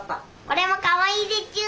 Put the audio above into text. これもかわいいでちゅ。